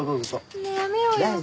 ねえやめようよ。